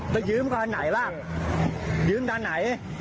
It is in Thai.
ไปยืมก็อันไหนล่ะยืมก็อันไหน